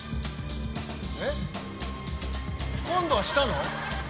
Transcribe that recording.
えっ今度はしたの？